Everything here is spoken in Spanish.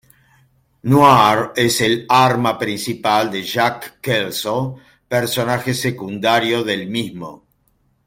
Noire es el arma principal de Jack Kelso, personaje secundario del mismo.